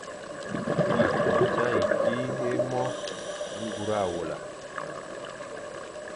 Wa to dia ye kî e mo ñgura awela ?